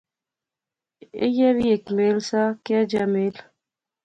ایہہ وی ہیک میل سا، کیا جیا میل؟